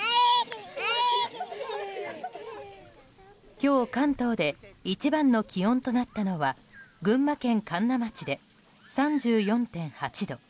今日、関東で一番の気温となったのは群馬県神流町で３４．８度。